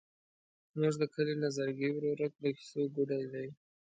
زموږ د کلي نظرګي ورورک د کیسو ګوډی دی.